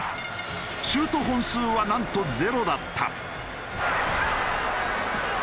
シュート本数はなんとゼロだった。